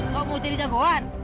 kamu mau jadi jagoan